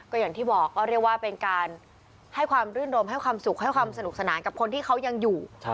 ก็อย่างที่บอกก็เรียกว่าเป็นการให้ความรื่นรมให้ความสุขให้ความสนุกสนานกับคนที่เขายังอยู่